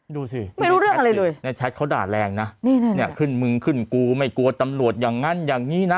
ดูสิแชทเลยในแชทเขาด่าแรงนะเนี่ยขึ้นมึงขึ้นกูไม่กลัวตำรวจอย่างนั้นอย่างนี้นะ